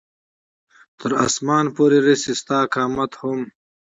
تر اسمانه پورې رسي ستا قامت هم